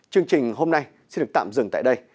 chương trình hôm nay xin được tạm dừng tại đây